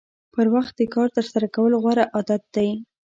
پر وخت د کار ترسره کول غوره عادت دی.